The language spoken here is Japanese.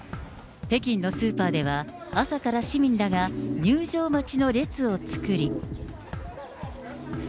北京のスーパーでは、朝から市民らが入場待ちの列を作り。